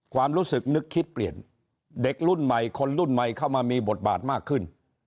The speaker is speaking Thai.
ความรู้สึกนึกคิดเปลี่ยนเด็กรุ่นใหม่คนรุ่นใหม่เข้ามามีบทบาทมากขึ้น